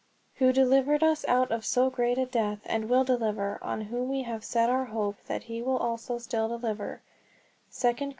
"Who delivered us out of so great a death, and will deliver: on whom we have set our hope that he will also still deliver" (2 Cor.